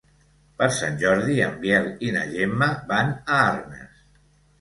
Per Sant Jordi en Biel i na Gemma van a Arnes.